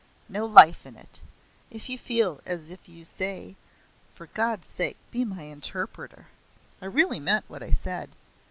No life in it. If you feel as you say, for God's sake be my interpreter!" I really meant what I said.